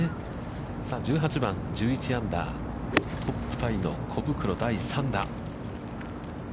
さあ１８番、１１アンダー、トップタイの小袋、第３打。